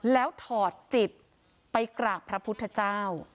แล้วถอดจิตไปกราบพระพุทธเจ้า